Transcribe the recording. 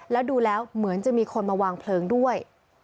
แล้วดูแล้วเหมือนจะมีคนมาวางเพลิงด้วย